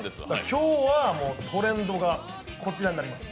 今日はトレンドがこちらになります。